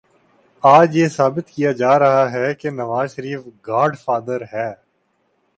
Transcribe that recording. آج یہ ثابت کیا جا رہا ہے کہ نوازشریف گاڈ فادر ہے۔